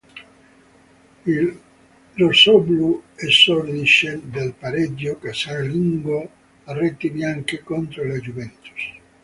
In "rossoblu" esordisce nel pareggio casalingo a reti bianche contro la Juventus.